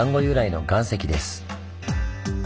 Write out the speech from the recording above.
由来の岩石です。